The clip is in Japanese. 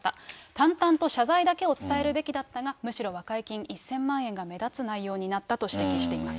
淡々と謝罪だけを伝えるべきだったが、むしろ和解金１０００万円が目立つ内容になったと指摘しています。